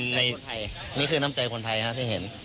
ในในคนไทยมันคือน้ำใจคนไทยที่เห็น